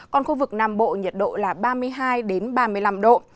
còn khu vực nam bộ nhiệt độ là ba mươi hai ba mươi năm độ